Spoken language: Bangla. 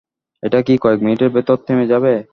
এটা কি কয়েক মিনিটের ভেতর থেমে যাবে?